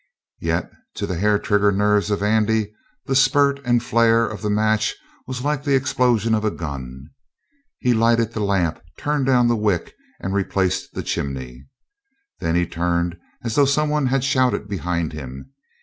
Yet to the hair trigger nerves of Andy the spurt and flare of the match was like the explosion of a gun. He lighted the lamp, turned down the wick, and replaced the chimney. Then he turned as though someone had shouted behind him.